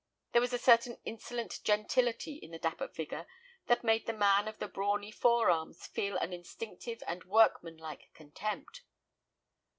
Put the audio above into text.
There was a certain insolent gentility in the dapper figure that made the man of the brawny fore arms feel an instinctive and workman like contempt.